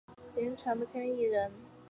现为杰星传播签约艺人。